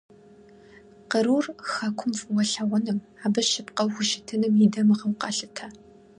Кърур хэкур фӀыуэ лъагъуным, абы щыпкъэу хущытыным и дамыгъэу къалъытэ.